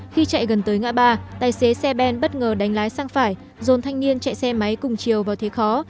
khi chạy gần tới ngã ba tài xế xe ben bất ngờ đánh lái sang phải dồn thanh niên chạy xe máy cùng chiều vào thế khó